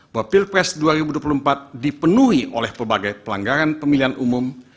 bahwa pilpres dua ribu dua puluh empat dipenuhi oleh pebagai pelanggaran pemilihan umum